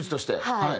はい。